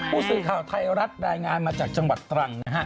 หูศึข่าวไทยรัฐได้งานมาจากจังหวัดตรังนะฮะ